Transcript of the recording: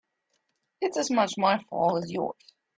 It's as much my fault as yours.